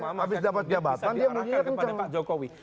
habis dapat jabatan dia menunjukkan